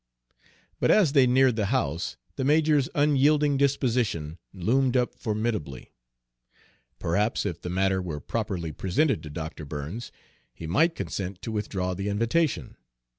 But as they neared the house the major's unyielding disposition loomed up formidably. Perhaps if the matter were properly presented to Dr. Burns, he might consent to withdraw the invitation.